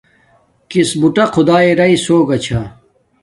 کِس بُٹݳ خدݳیݺ رݳئس ہݸگݳ چھݳ.